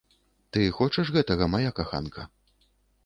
Ты хочаш гэтага, мая каханка?